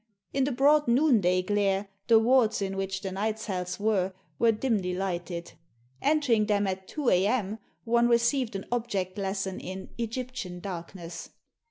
In the broad noonday glare the wards in which the night cells were were dimly lighted. Entering them at two a.m. one received an object lesson in "Egyptian darkness."